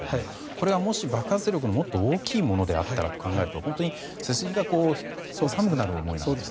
これはもし爆発力がもっと大きいものであったらと考えると本当に背筋が寒くなる思いが。